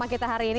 gak akan tahan